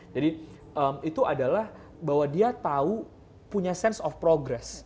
jadi itu adalah bahwa dia tahu punya sense of purpose